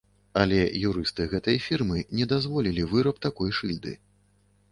Але юрысты гэтай фірмы не дазволілі выраб такой шыльды.